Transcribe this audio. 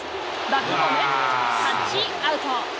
バックホーム、タッチアウト。